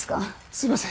すいません